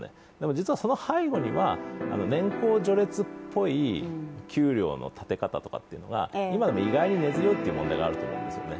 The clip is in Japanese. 実はその背後には年功序列っぽい給料のたて方とか今も意外に根強いという問題があると思うんですね。